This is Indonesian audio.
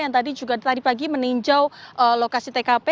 yang tadi juga tadi pagi meninjau lokasi tkp